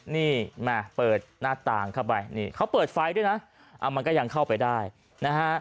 นี่แม่เปิดหน้าต่างเข้าไปนี่เขาเปิดไฟด้วยนะมันก็ยังเข้าไปได้นะฮะ